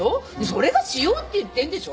それがしようって言ってんでしょ？